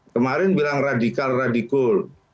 kemarin bilang radikal radikul